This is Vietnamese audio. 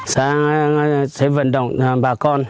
sẽ vận động bà con